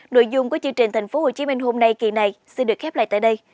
nội dung của chương trình thành phố hồ chí minh hôm nay kỳ này xin được khép lại tại đây